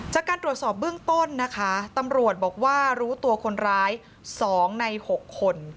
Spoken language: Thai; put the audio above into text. จากการตรวจสอบเบื้องต้นนะคะตำรวจบอกว่ารู้ตัวคนร้าย๒ใน๖คน